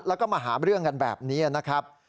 แล้วก็มาหาเรื่องกันแบบนี้นะครับ